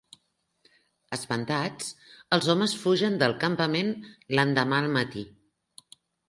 Espantats, els homes fugen del campament l'endemà al matí.